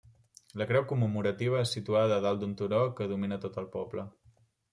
La creu commemorativa és situada dalt un turó que domina tot el poble.